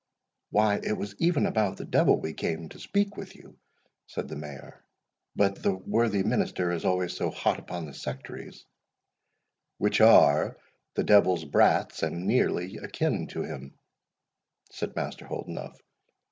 "Why, it was even about the devil we came to speak with you," said the Mayor; "but the worthy minister is always so hot upon the sectaries"— "Which are the devil's brats, and nearly akin to him," said Master Holdenough.